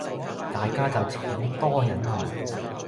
大家就請多忍耐